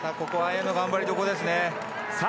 ここは綾乃頑張りどころですね。